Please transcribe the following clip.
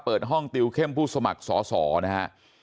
เปิดห้องติวเข้มผู้สมัครสอสอนะฮะ